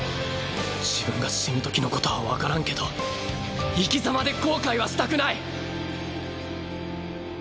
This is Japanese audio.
自分が死ぬときのことは分からんけど生き様で後悔はしたくない。